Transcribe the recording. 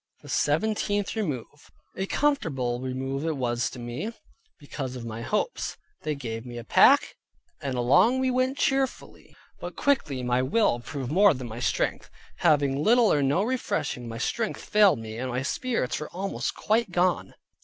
THE SEVENTEENTH REMOVE A comfortable remove it was to me, because of my hopes. They gave me a pack, and along we went cheerfully; but quickly my will proved more than my strength; having little or no refreshing, my strength failed me, and my spirits were almost quite gone.